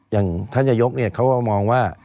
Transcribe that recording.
อย่างท่านอยกเนี่ยเขามองว่า